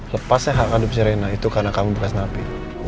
lepasnya hak adopsi rena itu karena kamu bekas nafi